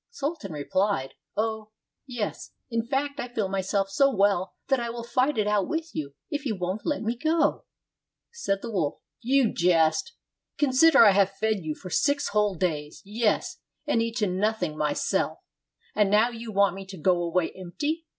Sultan replied, "Oh, 382 THE DOG AND THE WOLF yes; in fact I feel myself so well that I will fight it out with you if yoa won't let me go." Said the wolf, "You jest! Consider I have fed you for six whole days, yes, and eaten nothing myself, and now you want me to go away empty?